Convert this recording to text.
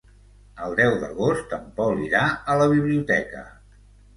El deu d'agost en Pol irà a la biblioteca.